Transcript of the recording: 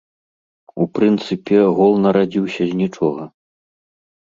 У прынцыпе, гол нарадзіўся з нічога.